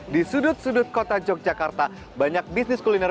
di sudut sudut kota yogyakarta banyak bisnis kuliner